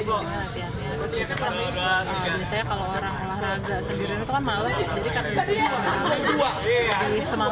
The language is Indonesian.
terus mungkin kalau orang biasanya kalau orang olahraga sendiri itu kan males